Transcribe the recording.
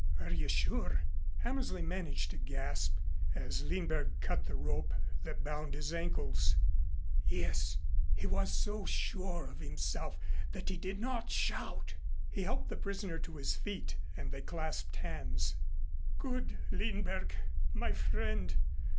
"Are you sure?" Hammersley managed to gasp, as Lindberg cut the rope that bound his ankles. "Yes. He was so sure of himself that he did not shout." He helped the prisoner to his feet and they clasped hands. "Good Lindberg! My friend!